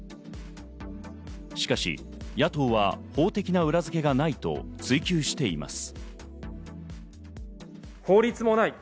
しかし、野党は法的な裏付けがないと追及しています。